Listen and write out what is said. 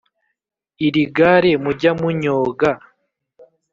Iri gare mujya munyoga